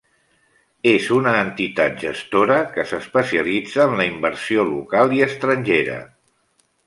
És una entitat gestora, que s'especialitza en la inversió local i estrangera.